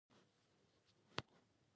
د جګړې جذبه سړه نه شوه توده شوه.